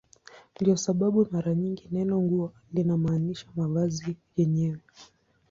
Ndiyo sababu mara nyingi neno "nguo" linamaanisha mavazi yenyewe.